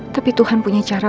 tapi tuhan punya cara